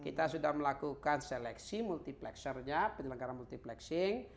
kita sudah melakukan seleksi multiplexernya penyelenggara multiplexing